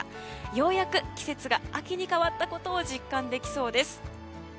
ようやく季節が秋に変わったことを実感できそうです。